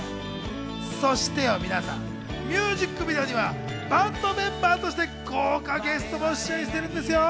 そして皆さん、ミュージックビデオにはバンドメンバーとして豪華ゲストも出演しているんですよ。